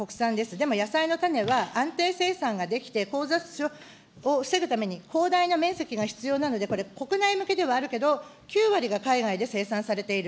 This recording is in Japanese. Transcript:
でも野菜の種は安定生産ができて、を防ぐために、広大な面積が必要なので、これ、国内向けではあるけど、９割が海外で生産されている。